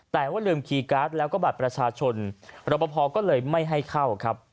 แต่ว่าลืมคีย์การ์ดแล้วก็บัตรประชาชนรับประพอก็เลยไม่ให้เข้าครับ